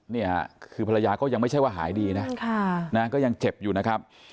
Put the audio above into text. เนี่ยคือภรรยาก็ยังไม่ใช่ว่าหายดีนะก็ยังเจ็บอยู่นะครับ